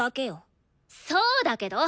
そうだけど！